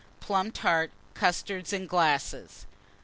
Plum tart; custards, in glasses.